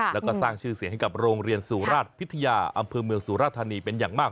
แล้วก็สร้างชื่อเสียงให้กับโรงเรียนสุราชพิทยาอำเภอเมืองสุราธานีเป็นอย่างมาก